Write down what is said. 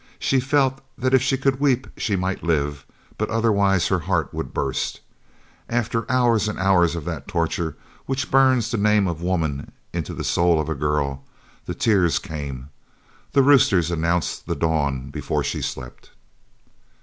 She felt that if she could weep she might live, but otherwise her heart would burst. And after hours and hours of that torture which burns the name of "woman" in the soul of a girl, the tears came. The roosters announced the dawn before she slept.